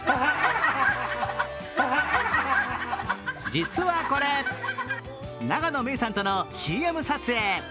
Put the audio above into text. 実はこれ永野芽郁さんとのＣＭ撮影。